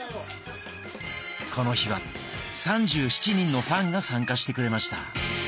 この日は３７人のファンが参加してくれました。